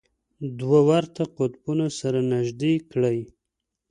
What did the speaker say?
دوه ورته قطبونه سره نژدې کړئ.